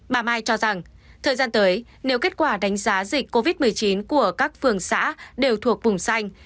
bà mai cho rằng thời gian tới nếu kết quả đánh giá dịch covid một mươi chín của các phường xã đều thuộc vùng xanh